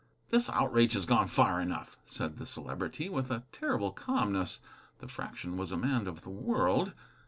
"This outrage has gone far enough," said the Celebrity, with a terrible calmness. The Fraction was a man of the world.